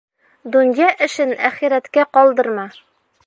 Донъя эшен әхирәткә ҡалдырма.